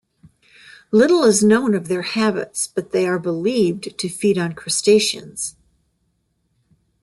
Little is known of their habits, but they are believed to feed on crustaceans.